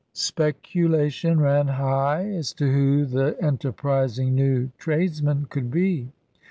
Speculation ran high as to who the enterprising new tradesman could be.